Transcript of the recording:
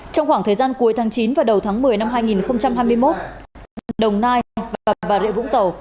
trong khoảng thời gian cuối tháng chín và đầu tháng một mươi năm hai nghìn hai mươi một đồng nai và bà rịa vũng tàu